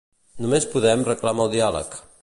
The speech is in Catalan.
Només Podem reclama el diàleg.